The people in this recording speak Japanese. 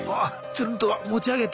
つるんと持ち上げて。